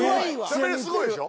しゃべりすごいでしょ？